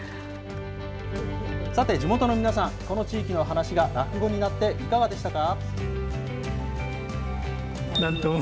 さて、地元の皆さん、この地域の話が落語になって、いかがでしたか？